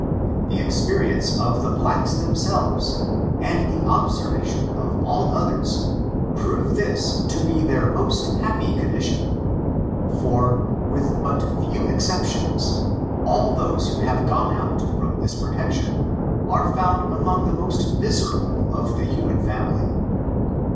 The experience of the blacks tbemselvesi and the observation of all others, prove this to be their most happy condition ; for, with but few exceptions, all those who have gone out from this protection, are found among the most miserable of the human ftim ily.